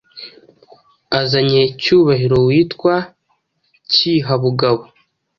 Azanye Cyubahiro Yitwa Cyiha-bugabo.